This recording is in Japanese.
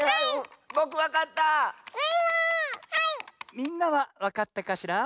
みんなはわかったかしら？